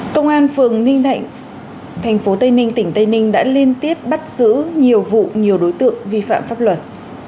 công an phường ninh thạnh thành phố tây ninh tỉnh tây ninh đã liên tiếp bắt giữ nhiều vụ nhiều đối tượng vi phạm pháp luật